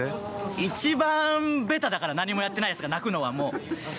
一番ベタだから何もやってないやつが泣くのは、もう。